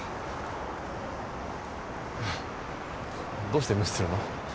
どうして無視するの？